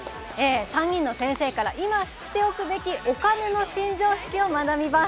３人の先生から、今、知っておくべきお金の新常識を学びます。